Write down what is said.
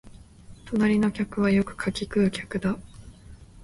隣の客はよくかき食う客だ